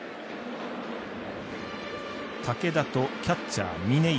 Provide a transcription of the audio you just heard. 武田とキャッチャー、嶺井。